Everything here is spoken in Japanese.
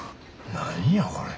何やこれ。